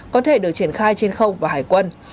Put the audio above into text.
có thể được triển khai trên khâu và hải quân